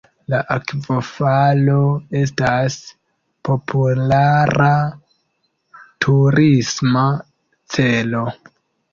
La akvofalo estas populara turisma celo.